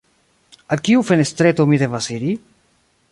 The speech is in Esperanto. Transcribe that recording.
Al kiu fenestreto mi devas iri?